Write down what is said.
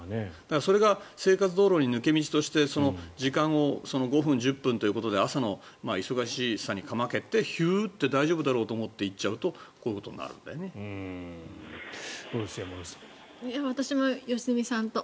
それが生活道路で抜け道として時間を５分、１０分ということで朝の忙しさにかまけてヒューッて大丈夫だろうと思って行っちゃうとこういうことになると。